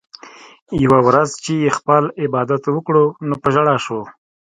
يوه ورځ چې ئې خپل عبادت وکړو نو پۀ ژړا شو